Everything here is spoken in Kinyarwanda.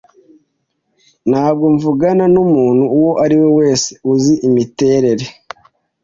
Ntabwo mvugana numuntu uwo ari we wese uzi imiterere.